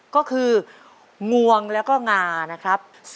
ก็คืองวงแล้วก็งานะครับ